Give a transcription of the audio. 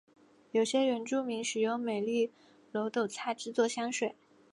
有些原住民使用美丽耧斗菜制作香水。